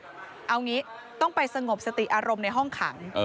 เอางี้ต้องไปสงบสติอารมณ์ในห้องขัง